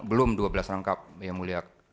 belum dua belas rangkap yang mulia